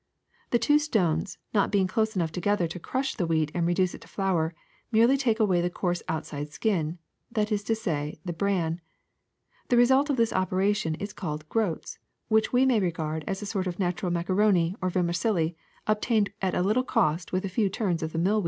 The two stones, not being close enough together to crush the wheat and reduce it to flour, merely take away the coarse outside skin, that is to say the bran. The result of this operation is called groats, which we may regard as a sort of natural macaroni or vermicelli obtained at little cost with a few turns of the mill wheel.